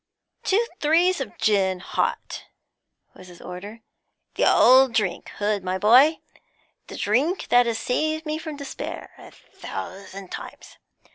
'Two threes of gin hot,' was his order. 'The old drink, Hood, my boy; the drink that has saved me from despair a thousand times.